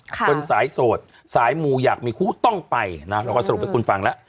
คนสายโสดสายมูอยากมีคู่ต้องไปนะเราก็สรุปให้คุณฟังแล้ว